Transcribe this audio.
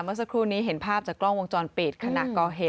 เมื่อสักครู่นี้เห็นภาพจากกล้องวงจรปิดขณะก่อเหตุ